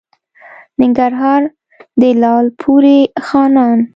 ننګرهار؛ د لالپورې خانان